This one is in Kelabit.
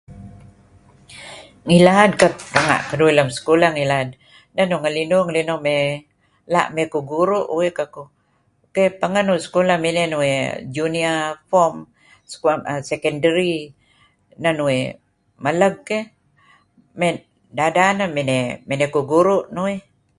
Ngilad, ket... renga' keduih lem sekuleh ngilad. Neh nuih ngelinuh-ngelinuh mey, la' emey ku guru uih kekuh keyh. Teiiy, pengeh nuih sekulah miney Junior Form, Secondary. Neh nuih meleg keyh. Mey... dadan neh, miney kuh guru' nuih.